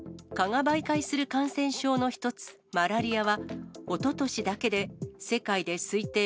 蚊が媒介する感染症の一つ、マラリアは、おととしだけで世界で推定